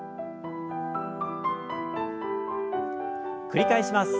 繰り返します。